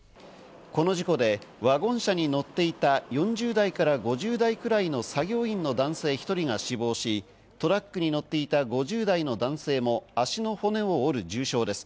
この事故でワゴン車に乗っていた４０代から５０代くらいの作業員の男性１人が死亡し、トラックに乗っていた５０代の男性も足の骨を折る重傷です。